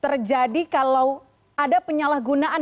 terjadi kalau ada penyalahgunaan